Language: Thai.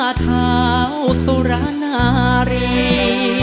หน้าเท้าสุรนารี